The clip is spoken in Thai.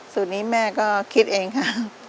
สูตรนี้แม่ก็คิดเองค่ะ